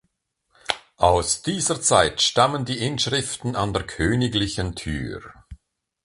Aus dieser Zeit stammen die Inschriften an der Königlichen Tür.